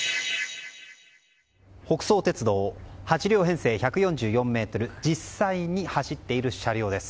北総鉄道、８両編成１４４ｍ実際に走っている車両です。